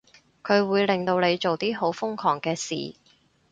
佢會令到你做啲好瘋狂嘅事